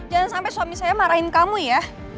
jangan sampai suami saya marahin kamu ya